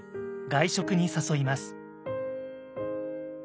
外食に誘います。